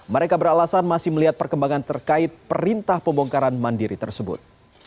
mereka beralasan masih melihat perkembangan terkait perintah pembongkaran mandiri tersebut